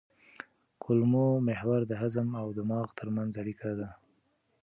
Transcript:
کولمو محور د هضم او دماغ ترمنځ اړیکه ده.